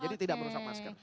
jadi tidak merusak masker